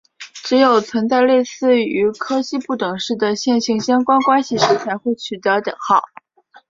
只有存在类似于柯西不等式的线性相关关系时才会取得等号。